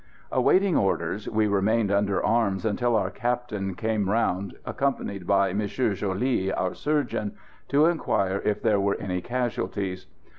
Awaiting orders we remained under arms until our captain came round, accompanied by M. Joly, our surgeon, to enquire if there were any casualties.